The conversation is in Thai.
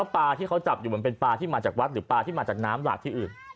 ปลาที่เขาจับอยู่มันเป็นปลาที่มาจากวัดหรือปลาที่มาจากน้ำหลากที่อื่น